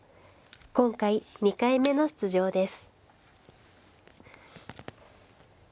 今回２回目の出場です。